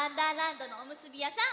どのおむすびやさん